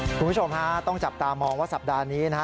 คุณผู้ชมฮะต้องจับตามองว่าสัปดาห์นี้นะฮะ